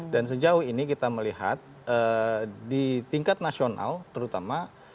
dan sejauh ini kita melihat di tingkat nasional terutama